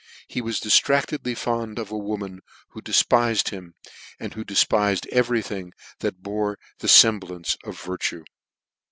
He was diftractedly fond of a woman who defpifed him j who defpifed every thing that bore but the femblance of virtue.